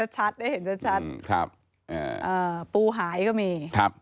ได้เห็นชัดปูหายก็มี